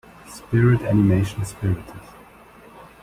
Spirit animation Spirited.